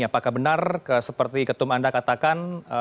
apakah benar seperti ketum anda katakan